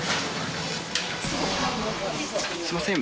すみません。